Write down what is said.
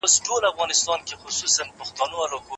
هر سياسي ګوند خپله ځانګړې ايډيالوژي لري.